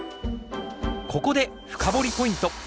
ここで深掘りポイント！